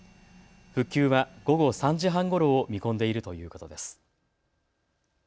復旧は午後３時半ごろを見込んでいるということです。